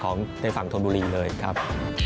ของในฝั่งธนบุรีเลยครับ